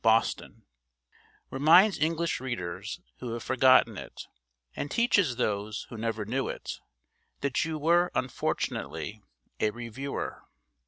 Boston) reminds English readers who have forgotten it, and teaches those who never knew it, that you were, unfortunately, a Reviewer.